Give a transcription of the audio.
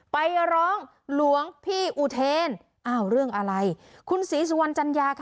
ไปร้องหลวงพี่อุเทนอ้าวเรื่องอะไรคุณศรีสุวรรณจัญญาค่ะ